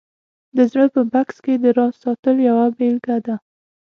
د زړه په بکس کې د راز ساتل یوه بېلګه ده